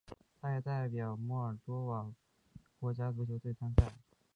他也代表摩尔多瓦国家足球队参赛。